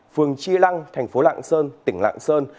phường chi lăng thành phố lạng sơn tỉnh lạng sơn